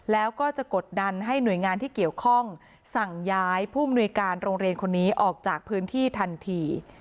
แล้วก็จะกดดันให้หน่วยงานที่เกี่ยวข้องสั่งย้ายผู้มนุยการโรงเรียนคนนี้ออกจากพื้นที่ทันที